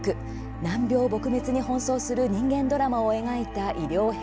難病撲滅に奔走する人間ドラマを描いた医療編